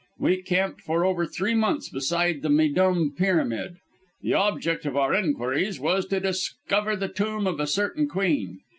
We camped for over three months beside the Méydûm Pyramid. The object of our inquiries was to discover the tomb of a certain queen.